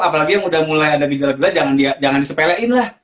apalagi yang udah mulai ada gejala gejala jangan disepelein lah